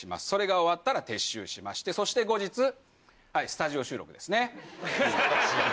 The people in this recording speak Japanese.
それが終わったら撤収しましてそして後日スタジオ収録ですね。